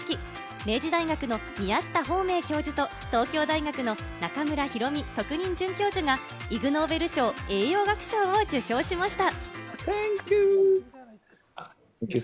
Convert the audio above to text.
明治大学の宮下芳明教授と東京大学の中村裕美特任准教授がイグ・ノーベル賞を栄養学賞を受賞しました。